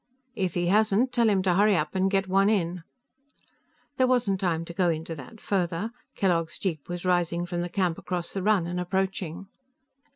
"If he hasn't, tell him to hurry up and get one in." There wasn't time to go into that further. Kellogg's jeep was rising from the camp across the run and approaching.